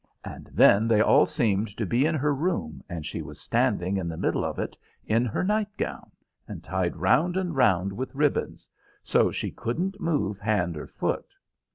and then they all seemed to be in her room, and she was standing in the middle of it in her night gown, and tied round and round with ribbons, so she couldn't move hand or foot.